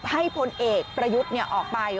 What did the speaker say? พลเอกประยุทธ์ออกไป